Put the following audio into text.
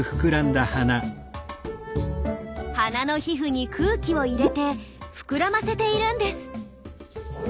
鼻の皮膚に空気を入れて膨らませているんです。